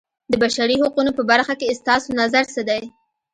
د بشري حقونو په برخه کې ستاسو نظر څه دی.